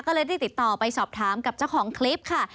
ก็เลยได้ติดต่อไปสอบถามกับเจ้าของคลิปค่ะ